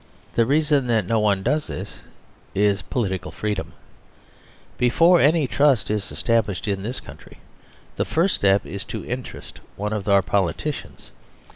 The reason that no one does this is that political free * Before any trust is established in this country, the first step is to "interest" one of our politicians.